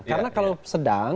karena kalau sedang